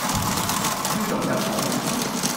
豬籠入水